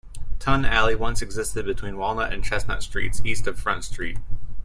Tun Alley once existed between Walnut and Chestnut Streets east of Front Street.